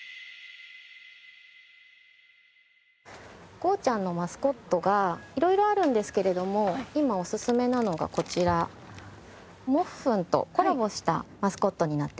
ゴーちゃん。のマスコットが色々あるんですけれども今おすすめなのがこちらモッフンとコラボしたマスコットになってます。